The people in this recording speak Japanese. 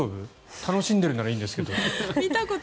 楽しんでるんならいいんですけど。